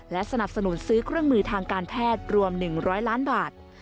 และสนับสนุนซื้อเครื่องมือทางการแพทย์รวม๑๐๐ล้านบาท